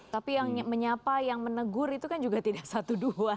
tapi yang menyapa yang menegur itu kan juga tidak satu dua